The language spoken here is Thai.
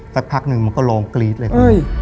สักพักหนึ่งมันก็ลองกรี๊ดเลย